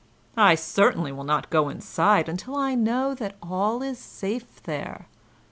I certainly will not go inside until I know that all is safe there."